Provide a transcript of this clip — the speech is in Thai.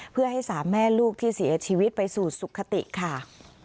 เพื่อให้สามแม่ลูกที่เสียชีวิตไปสู่สุขติค่ะ